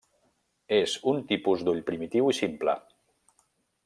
És un tipus d'ull primitiu i simple.